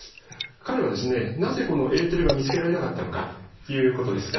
彼はなぜこのエーテルが見つけられなかったのかということですが。